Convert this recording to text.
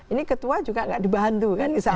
ini ketua juga tidak dibantu